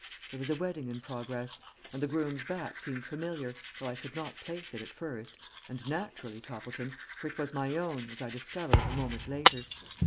There was a wedding in progress, and the groom's back seemed familiar, though I could not place it at first, and naturally, Toppleton, for it was my own, as I discovered, a moment later.